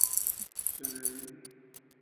Suena bien.